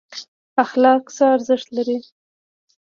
اخلاق څه ارزښت لري؟